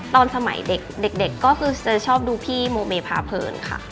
ตอนสมัยเด็กก็คือจะชอบดูพี่โมเมพาเพลินค่ะ